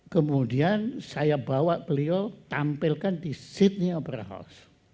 kemudian saya bawa beliau tampilkan di sydney opera house